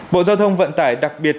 bộ giao thông vận tải đặc biệt